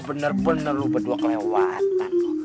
bener bener lu berdua kelewatan